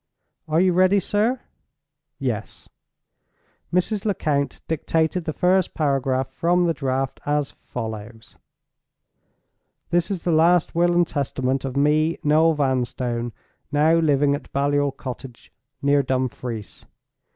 "Are you ready, sir?" "Yes." Mrs. Lecount dictated the first paragraph from the Draft, as follows: "This is the last Will and Testament of me, Noel Vanstone, now living at Baliol Cottage, near Dumfries.